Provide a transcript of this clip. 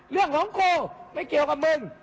เรื่องของกูไม่เกี่ยวกับมึง